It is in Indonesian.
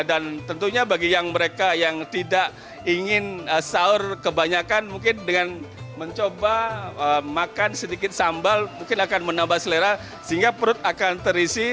dan tentunya bagi yang mereka yang tidak ingin sayur kebanyakan mungkin dengan mencoba makan sedikit sambal mungkin akan menambah selera sehingga perut akan terisi